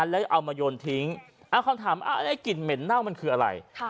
แล้วเอามาโยนทิ้งคำถามไอ้กลิ่นเหม็นเน่ามันคืออะไร